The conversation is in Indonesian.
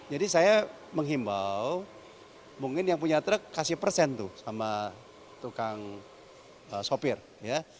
jadi saya menghimbau mungkin yang punya truk kasih persen tuh sama tukang sopir ya